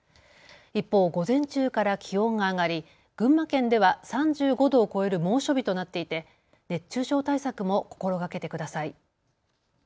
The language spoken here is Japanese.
一方、午前中から気温が上がり群馬県では３５度を超える猛暑日となっていて熱中症対策も心がけてください。